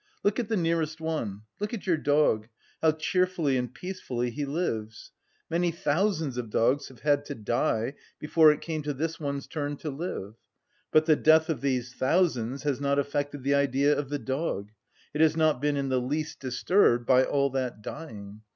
Look at the nearest one; look at your dog, how cheerfully and peacefully he lives! Many thousands of dogs have had to die before it came to this one's turn to live. But the death of these thousands has not affected the Idea of the dog; it has not been in the least disturbed by all that dying.